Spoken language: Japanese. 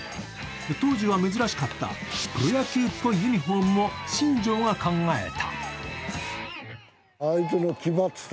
当時は珍しかったプロ野球っぽいユニフォームも新庄が考えた。